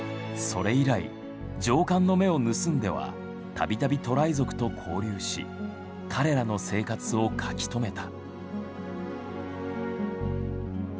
それ以来上官の目を盗んでは度々トライ族と交流し彼らの生活を描き留めた。